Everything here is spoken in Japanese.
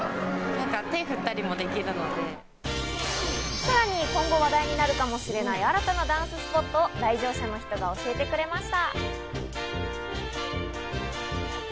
さらに今後、話題になるかもしれない新たなダンススポットを、来場者の人が教えてくれました。